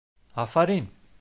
- Афарин!